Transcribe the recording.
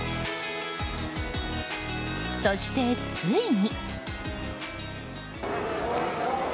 そして、ついに。